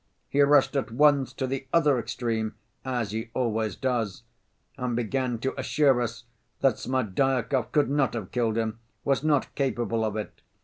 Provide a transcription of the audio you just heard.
He rushed at once to the other extreme, as he always does, and began to assure us that Smerdyakov could not have killed him, was not capable of it.